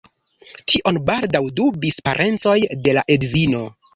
Tion baldaŭ dubis parencoj de la edzino.